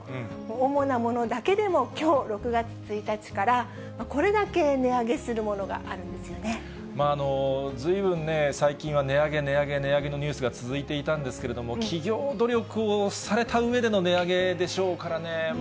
主なものだけでもきょう６月１日から、これだけ値上げするものがずいぶんね、最近は、値上げ、値上げ、値上げのニュースが続いていたんですけれども、企業努力をされたうえでの値上げでしょうからね。